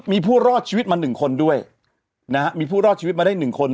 มีผู้รอดชีวิตมา๑คนด้วยนะฮะมีผู้รอดชีวิตมาได้๑คน